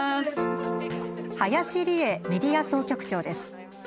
林理恵メディア総局長です。